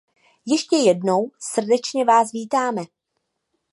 Ještě jednou, srdečně Vás vítáme!